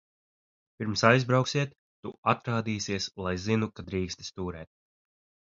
Pirms aizbrauksiet, tu atrādīsies, lai zinu, ka drīksti stūrēt.